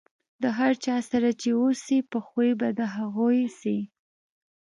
د هر چا سره چې اوسئ، په خوي به د هغو سئ.